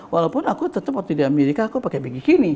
walaupun aku tetep waktu di amerika aku pake bikini